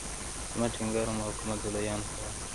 زما ټینګار او مقاومت د لویانو پر وړاندې.